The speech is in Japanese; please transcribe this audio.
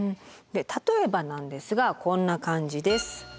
例えばなんですがこんな感じです。